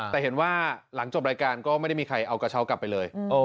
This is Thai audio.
แต่เห็นว่าหลังจบรายการก็ไม่ได้มีใครเอากระเช้ากลับไปเลย